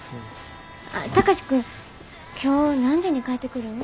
貴司君今日何時に帰ってくるん？